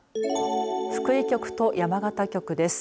福井局と山形局です。